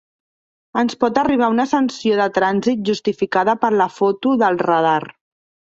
Ens pot arribar una sanció de trànsit justificada per la foto del radar.